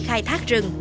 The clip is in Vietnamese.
khai thác rừng